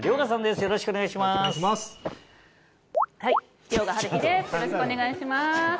よろしくお願いします。